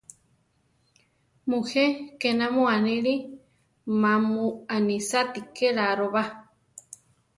Mujé ke namó aníli; má mu anisáati ke laro ba.